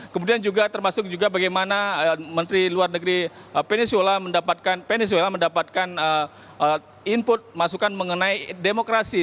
kemudian juga termasuk juga bagaimana menteri luar negeri penis wella mendapatkan input masukan mengenai demokrasi